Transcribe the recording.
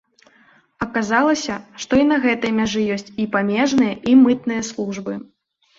Аказалася, што і на гэтай мяжы ёсць і памежныя, і мытныя службы.